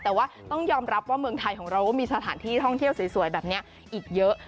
แต่ว่าต้องยอมรับว่าเมืองไทยของเราก็มีสถานที่ท่องเที่ยวสวยแบบนี้อีกเยอะ